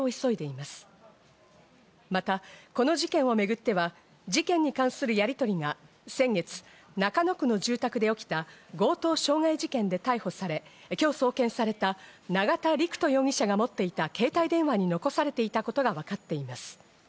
また、この事件をめぐっては、事件に関するやりとりが、先月、中野区の住宅で起きた強盗傷害事件で逮捕され今日送検された永田陸人容疑者が持っていた携帯電話に残されていたことがわかっています。